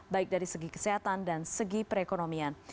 baik dari segi kesehatan dan segi perekonomian